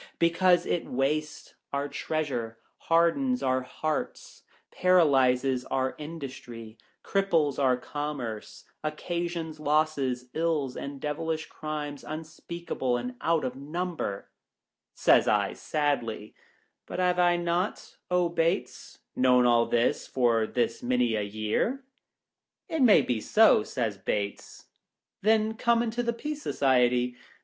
Because it wastes our treasure, hardens our hearts, paralyses our industry, cripples our commerce, occasions losses, ills, and devilish crimes, unspeakable and out of number." Says I, sadly, "But have I not, O Bates, known all this for this many a year ]"" It may be se," says Bates ; Charles Dickens. | THE DEALER IN WISDOM. 507 "then, come into the Peace Society."